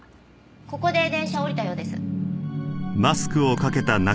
ここで電車を降りたようです。